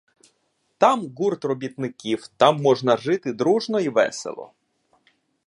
Там гурт робітників, там можна жити дружно й весело!